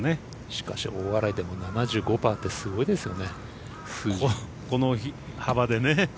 しかし大洗でも７５％ってすごいですよね、この幅でね。